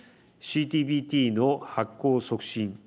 ＣＴＢＴの発効促進